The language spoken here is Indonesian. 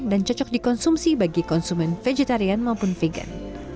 dan cocok dikonsumsi bagi konsumen vegetarian maupun vegan